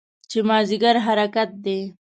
چې مازدیګر حرکت دی.